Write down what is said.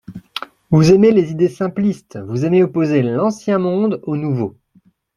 Vous aimez les idées simplistes ; vous aimez opposer l’ancien monde au nouveau.